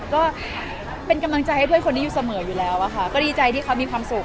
ก็เป็นกำลังใจให้เพื่อนคนนี้อยู่เสมออยู่แล้วอะค่ะก็ดีใจที่เขามีความสุข